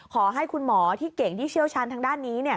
ขอให้คุณหมอที่เก่งที่เชี่ยวชาญทางด้านนี้